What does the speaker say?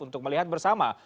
untuk melihat bersama